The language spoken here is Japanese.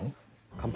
乾杯。